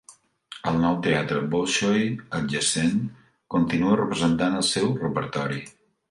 El Nou Teatre Bolxoi, adjacent, continua representant el seu repertori.